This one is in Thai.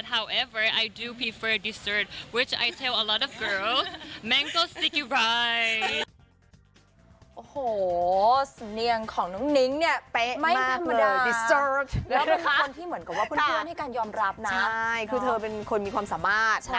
ใช่คือเป็นคนมีความสามารถนะ